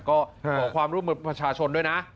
ก็ขอความร่วมมือประชาชนด้วยนะ